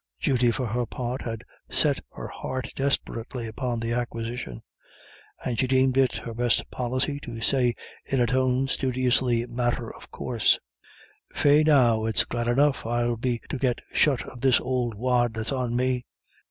Judy, for her part, had set her heart desperately upon the acquisition, and she deemed it her best policy to say in a tone studiously matter of course: "Faix, now, it's glad enough I'll be to get shut of this ould wad that's on me.